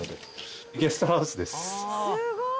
すごーい！